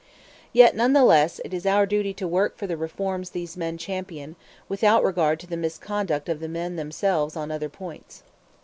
Yet, none the less, it is our duty to work for the reforms these men champion, without regard to the misconduct of the men themselves on other points.